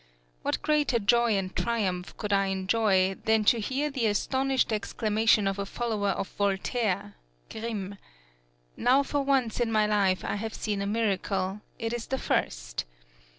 What greater joy and triumph could I enjoy than to hear the astonished exclamation of a follower of Voltaire (Grimm): _Now for once in my life I have seen a miracle; it is the first.